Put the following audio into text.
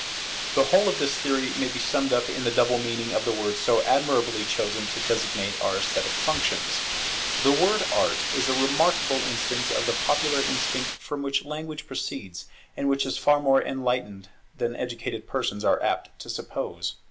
The whole of this theory may be summed up in the double meaning of the word so admirably chosen to designate our esthetic functions. The word Art is a remarkable instance of the popular instinct from which language proceeds, and which is far more enlightened than educated persons are apt to suppose.